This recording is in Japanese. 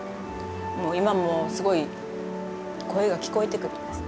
今もうすごい声が聞こえてくるんです。